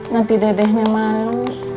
nanti dedehnya malu